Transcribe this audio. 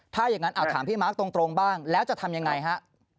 ถ้าอย่างนั้นถามพี่มาร์คตรงบ้างแล้วจะทำยังไงฮะ